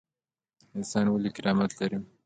انسان ولې کرامت لري؟